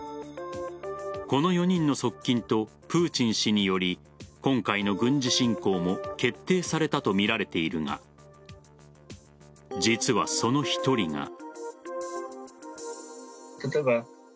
この４人の側近とプーチン氏により今回の軍事侵攻も決定されたとみられているが実は、その１人が。